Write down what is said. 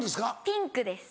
ピンクです。